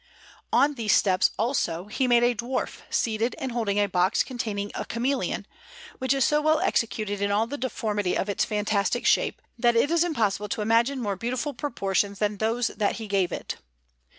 On these steps, also, he made a dwarf seated and holding a box containing a chameleon, which is so well executed in all the deformity of its fantastic shape, that it is impossible to imagine more beautiful proportions than those that he gave it.